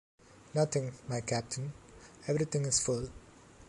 Nothing, my captain, everything is full.